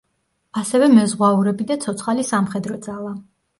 ასევე მეზღვაურები და ცოცხალი სამხედრო ძალა.